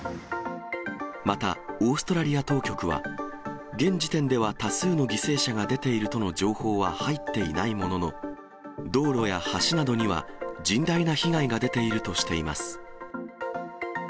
また、オーストラリア当局は、現時点では多数の犠牲者が出ているとの情報は入っていないものの、道路や橋などには、甚大な被害が出ているとしています。